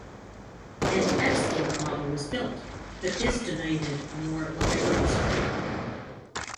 An "Export" model was built, but this denoted a more luxurious trim level.